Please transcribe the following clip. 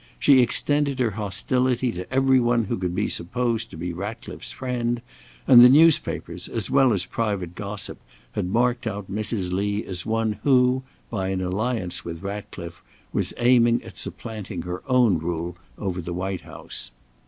She extended her hostility to every one who could be supposed to be Ratcliffe's friend, and the newspapers, as well as private gossip, had marked out Mrs. Lee as one who, by an alliance with Ratcliffe, was aiming at supplanting her own rule over the White House.